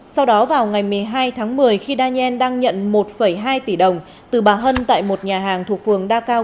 sau đó vào ngày một mươi hai tháng một mươi khi đa nhan đang nhận một hai tỷ đồng từ bà hân tại một nhà hàng thuộc phường đa cao